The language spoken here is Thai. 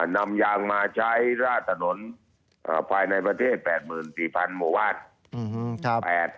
นำยางมาใช้ร่าถนนภายในประเทศ๘๔๐๐๐หมดว่า